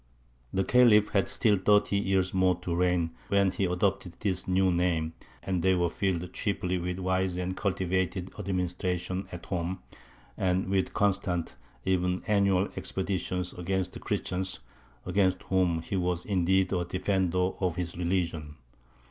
" The Khalif had still thirty years more to reign when he adopted this new name; and they were filled chiefly with wise and cultivated administration at home, and with constant, even annual, expeditions against the Christians, against whom he was indeed a "Defender" of his religion.